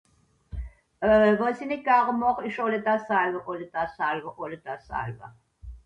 àlle daa